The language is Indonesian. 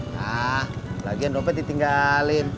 nah lagi yang dompet ditinggalin